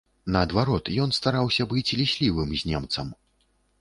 Наадварот, ён стараўся быць ліслівым з немцам.